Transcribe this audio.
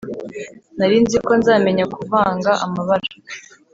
Narinziko nzamenya kuvanga amabara